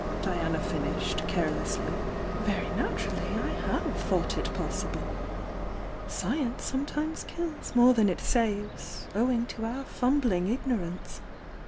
Diana finished, care J^ly. Very naturally I have thought it oo^We! Science sometimes kills more than it mesf Twing L^r V^^!!"^ Ignorance.